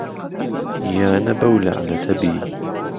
یا نه بهو لهعنهته بی